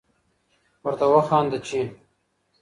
ورته وخانده چي